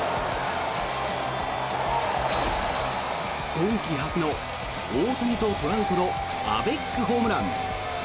今季初の、大谷とトラウトのアベックホームラン。